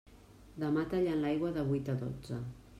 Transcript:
Demà tallen l'aigua de vuit a dotze.